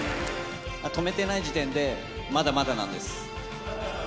止めてない時点で、まだまだなんです。